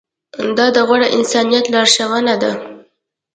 دا د غوره انسانیت لارښوونه ده.